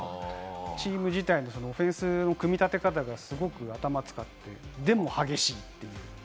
チーム自体のオフェンスの組み立て方がすごく頭を使って、でも激しいという。